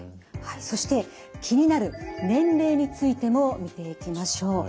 そして気になる年齢についても見ていきましょう。